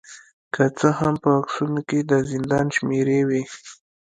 که څه هم په عکسونو کې د زندان شمیرې وې